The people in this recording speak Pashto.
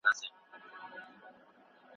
د زړه وزر ته مي یوه شېبه مستي غواړمه